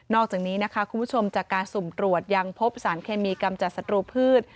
อกจากนี้นะคะคุณผู้ชมจากการสุ่มตรวจยังพบสารเคมีกำจัดศัตรูพืช